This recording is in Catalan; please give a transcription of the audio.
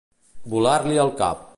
Volar-li el cap.